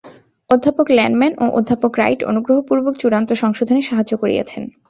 অধ্যাপক ল্যানম্যান ও অধ্যাপক রাইট অনুগ্রহপূর্বক চূড়ান্ত সংশোধনে সাহায্য করিয়াছেন।